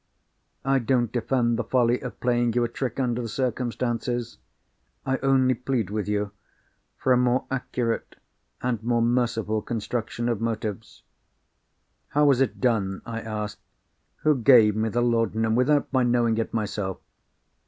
I don't defend the folly of playing you a trick under the circumstances. I only plead with you for a more accurate and more merciful construction of motives." "How was it done?" I asked. "Who gave me the laudanum, without my knowing it myself?"